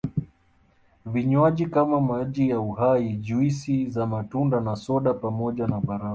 Vinywaji kama maji ya Uhai juisi za matunda na soda pamoja na barafu